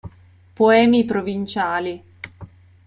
Poemi provinciali.